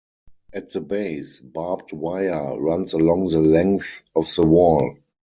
At the base, barbed wire runs along the length of the wall.